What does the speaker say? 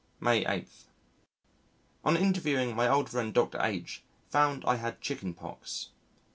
May 8. On interviewing my old friend Dr. H , found I had chickenpox.